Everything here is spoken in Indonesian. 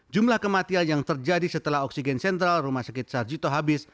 jumlah kematian yang terjadi setelah oksigen sentral rumah sakit sarjito habis